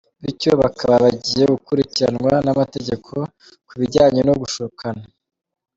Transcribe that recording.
Bityo bakaba bagiye gukurikiranwa n’amategeko ku bijyanye no gushukana.